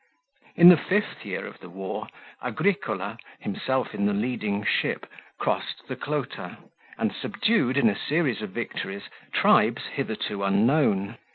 24 In the fifth year of the war, Agricola, himself in the leading ship, crossed the Clota, and subdued in a series of victories tribes hitherto unknown.